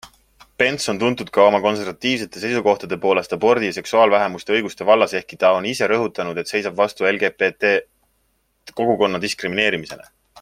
Pence on tuntud ka oma konservatiivsete seisukohtade poolest abordi ja seksuaalvähemuste õiguste vallas, ehkki ta on ise rõhutanud, et seisab vastu LGBT-kogukonna diskrimineerimisele.